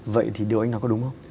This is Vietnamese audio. vậy thì điều anh nói có đúng không